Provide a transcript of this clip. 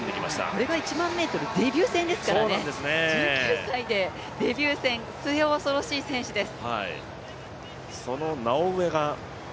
これが１００００ｍデビュー戦ですからね１９歳でデビュー戦、末恐ろしい選手です。